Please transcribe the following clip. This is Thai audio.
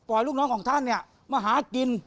ปล่อยลูกน้องของท่านมาหากิน